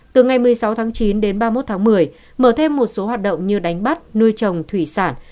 từ ngày một mươi sáu chín đến ba mươi một một mươi mở thêm một số hoạt động như đánh bắt nuôi chồng thủy sản